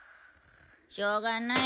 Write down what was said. しょうがない。